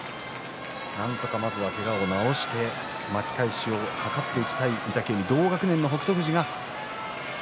なんとかまずけがを治して巻き返しを図っていきたい御嶽海です。